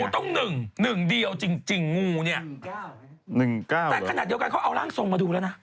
แต่ขนาดเดี๋ยวกันเขาเอาร่างทรงมาดูแล้วนะ